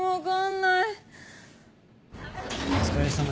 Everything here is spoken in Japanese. はいお疲れさま。